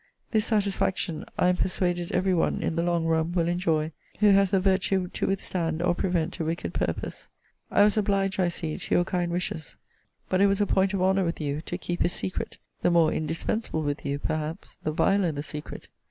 This satisfaction, I am persuaded every one, in the long run, will enjoy, who has the virtue to withstand, or prevent, a wicked purpose. I was obliged, I see, to your kind wishes but it was a point of honour with you to keep his secret; the more indispensable with you, perhaps, the viler the secret.